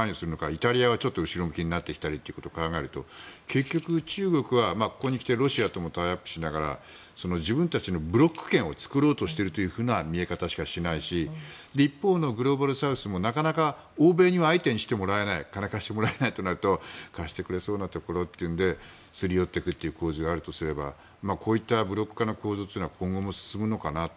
イタリアはちょっと後ろ向きになってきたということを考えると結局、中国はここにきてロシアともタイアップしながら自分たちのブロック圏を作ろうとしているというような見え方しかしないし一方のグローバルサウスもなかなか欧米に相手してもらえないお金を貸してもらえないとなると貸してくれそうなところというのですり寄ってくるという構図があるとすればこういったブロック圏の構造というのは今後も進むのかなと。